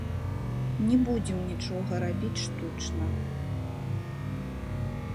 Не будзем нічога рабіць штучна.